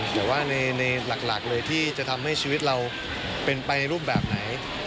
แต่ว่าในหลักเลยที่จะทำให้ชีวิตเราเป็นไปรูปแบบไหน